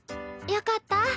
よかった。